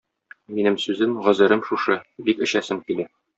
Минем сүзем, гозерем шушы: бик эчәсем килә.